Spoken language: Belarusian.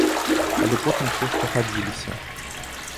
Але потым усё ж пагадзіліся.